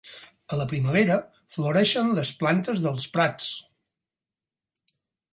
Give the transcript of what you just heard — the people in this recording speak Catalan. A la primavera floreixen les plantes dels prats.